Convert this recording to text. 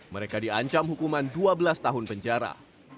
mereka diancam hukuman dua belas tahun penjara